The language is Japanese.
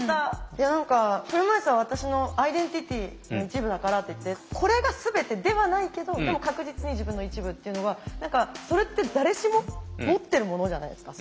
いや車いすは私のアイデンティティーの一部だからって言ってこれが全てではないけどでも確実に自分の一部っていうのがそれって誰しも持ってるものじゃないですか。